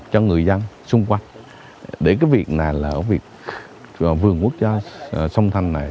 cho người dân xung quanh để cái việc này là ở việc vườn quốc gia sông thành này